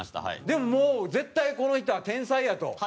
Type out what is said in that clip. でも絶対この人は天才やと。